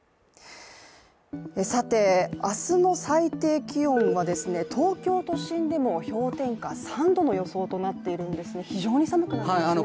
さて、明日の最低気温は東京都心でも氷点下３度の予想となっていて非常に寒くなりましたね。